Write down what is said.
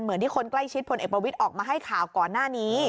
เหมือนที่คนใกล้ชิดพลเอกประวิทย์ออกมาให้ข่าวก่อนหน้านี้